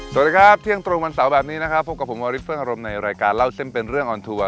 สวัสดีครับเที่ยงตรงวันเสาร์แบบนี้นะครับพบกับผมวาริสเฟิ่งอารมณ์ในรายการเล่าเส้นเป็นเรื่องออนทัวร์